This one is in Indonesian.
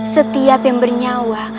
setiap yang bernyawa